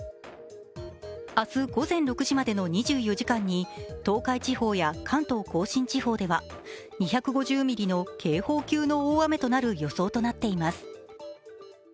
明日午前６時までの２４時間に、東海地方や関東甲信地方では２５０ミリの警報級の大雨となる予想となっています。